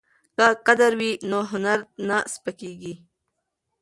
که قدر وي نو هنر نه سپکیږي.